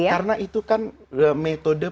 karena itu kan metode